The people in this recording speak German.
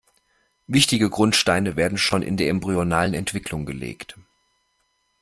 Wichtige Grundsteine werden schon in der embryonalen Entwicklung gelegt.